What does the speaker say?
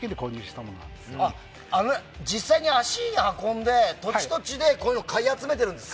実際、足を運んで土地、土地でこういうのを買い集めているんですか？